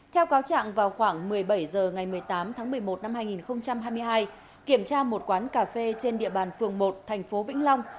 theo cáo trạng vào khoảng một mươi bảy h ngày một mươi tám tháng một mươi một năm hai nghìn hai mươi hai kiểm tra một quán cà phê trên địa bàn phường một thành phố vĩnh long